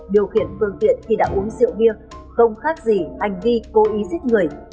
điều khiển phương tiện khi đã uống rượu bia không khác gì anh ghi cố ý giết người